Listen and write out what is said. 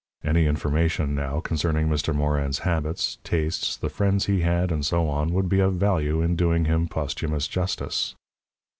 Any information, now, concerning Mr. Morin's habits, tastes, the friends he had, and so on, would be of value in doing him posthumous justice.